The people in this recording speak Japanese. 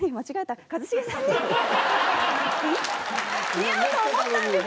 似合うと思ったんです。